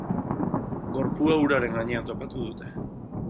Gorpua uraren gainean topatu dute.